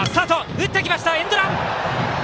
打ってきた、エンドラン！